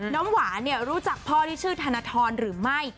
น้ำหวานรู้จักพ่อที่ชื่อธนทรหรือไม่